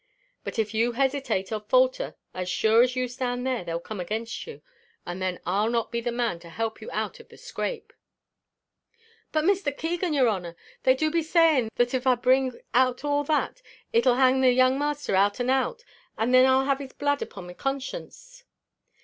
But if you hesitate or falter, as sure as you stand there, they'll come against you; and then I'll not be the man to help you out of the scrape." "But, Mr. Keegan, yer honour, they do be saying that iv I brings out all that, it'll hang the young masther out and out, and then I'll have his blood upon my conscience."